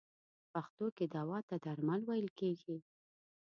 په پښتو کې دوا ته درمل ویل کیږی.